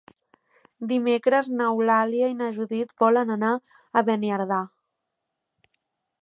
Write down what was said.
Dimecres n'Eulàlia i na Judit volen anar a Beniardà.